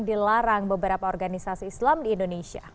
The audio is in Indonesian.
dilarang beberapa organisasi islam di indonesia